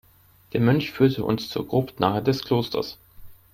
Der Mönch führte uns zur Gruft nahe des Klosters.